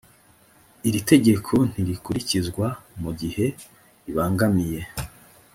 iri tegeko ntirikurikizwa mu gihe ribangamiye